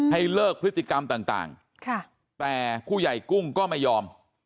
ให้เลิกพฤติกรรมต่างแต่ผู้ใหญ่กุ้งก็ไม่ยอม